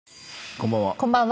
こんばんは。